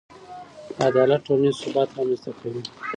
عدالت ټولنیز ثبات رامنځته کوي.